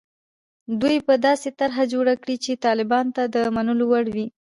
دوی به داسې طرح جوړه کړي چې طالبانو ته د منلو وړ وي.